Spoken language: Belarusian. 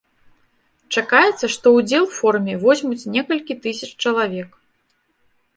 Чакаецца, што ўдзел форуме возьмуць некалькі тысяч чалавек.